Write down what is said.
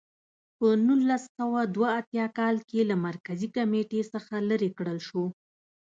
په نولس سوه دوه اتیا کال کې له مرکزي کمېټې هم لرې کړل شو.